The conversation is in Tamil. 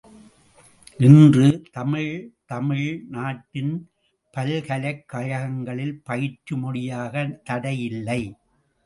இன்று, தமிழ், தமிழ் நாட்டின் பல்கலைக் கழகங்களில் பயிற்று மொழியாகத் தடை இல்லை!